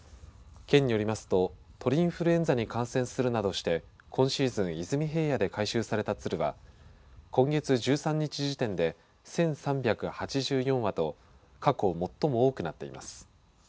県によりますと鳥インフルエンザに感染するなどして今シーズン出水平野で回収された鶴は今月１３日時点で１３８４羽と過去最も多くなっています。